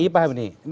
iya paham ini